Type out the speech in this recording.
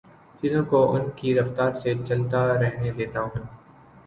چیزوں کو ان کی رفتار سے چلتا رہنے دیتا ہوں